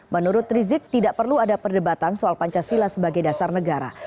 menurut rizik tidak perlu ada perdebatan soal pancasila sebagai dasar negara